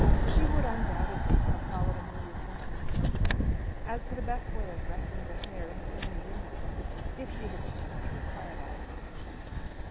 She would undoubtedly have followed Amelia Simpson's counsels as to the best way of dressing the hair in filmy ringlets if she had chanced to require that information.